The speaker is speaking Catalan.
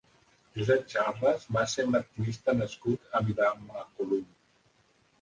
Josep Xarles va ser un activista nascut a Vilamacolum.